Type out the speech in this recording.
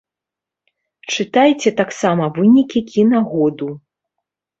Чытайце таксама вынікі кінагоду.